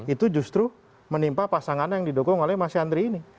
itu justru menimpa pasangan yang didukung oleh mas yandri ini